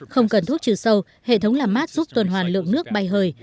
không cần thuốc trừ sâu hệ thống làm mát giúp tuần hoàn lượng nước bay hời